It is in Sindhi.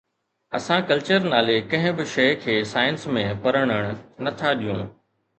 اسان ڪلچر نالي ڪنهن به شيءِ کي سائنس ۾ پرڻڻ نٿا ڏيون.